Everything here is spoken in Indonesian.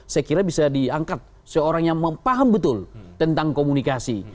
saya kira bisa diangkat seorang yang paham betul tentang komunikasi